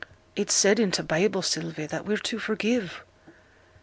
'It's said in t' Bible, Sylvie, that we're to forgive.'